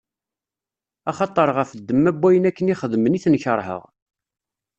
Axaṭer ɣef ddemma n wayen akken i xedmen i ten-keṛheɣ.